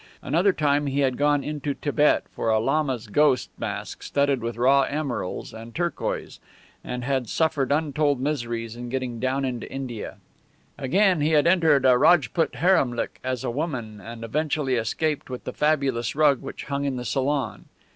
Another time he had gone into Tibet for a lama's ghost mask studded with raw emeralds and turquoise, and had suffered untold miseries in getting down into India. Again he had entered a Rajput haremlik as a woman, and eventually escaped with the fabulous rug which hung in the salon.